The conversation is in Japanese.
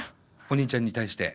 お兄ちゃんに対して？